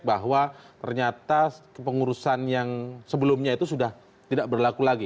bahwa ternyata kepengurusan yang sebelumnya itu sudah tidak berlaku lagi